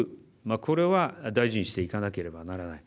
これは大事にしていかなければならない。